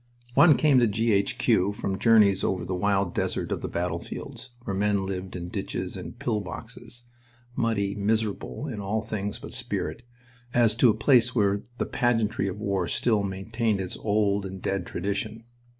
One came to G. H. Q. from journeys over the wild desert of the battlefields, where men lived in ditches and "pill boxes," muddy, miserable in all things but spirit, as to a place where the pageantry of war still maintained its old and dead tradition.